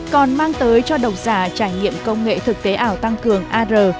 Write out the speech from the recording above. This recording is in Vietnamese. còn mang tới cho độc giả trải nghiệm công nghệ thực tế ảo tăng cường ar